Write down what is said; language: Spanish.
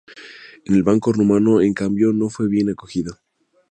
En el Banato rumano, en cambio, no fue bien acogido.